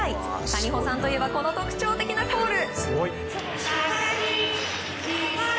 谷保さんといえばこの特徴的なコール。